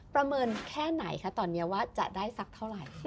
ประเมินแค่ไหนคะตอนนี้ว่าจะได้สักเท่าไหร่